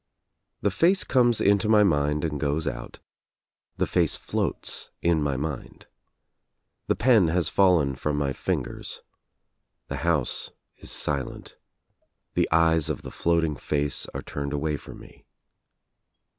The face comes into my mind and goes out — the face floats in my mind. The pen has fallen from my fingers. The house is silent. The eyes of the doating face are turned away from me.